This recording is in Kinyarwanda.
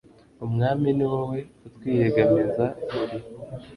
umwami; ni wowe utwiyegamiza, uri